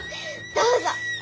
どうぞ。